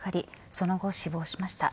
その後、死亡しました。